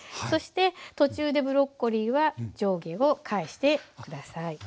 そして途中でブロッコリーは上下を返して下さい。